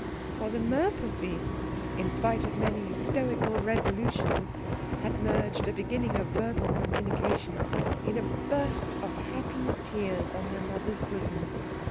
For the merpussy, in spite of many stoical resolutions, had merged a beginning of verbal communication in a burst of happy tears on her mother's bosom.